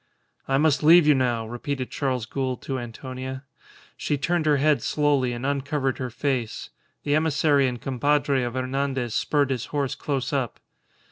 "I must leave you now," repeated Charles Gould to Antonia. She turned her head slowly and uncovered her face. The emissary and compadre of Hernandez spurred his horse close up.